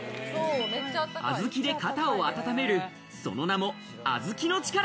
小豆で肩を温める、その名もあずきのチカラ。